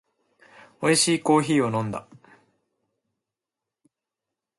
おいしいコーヒーを飲んだ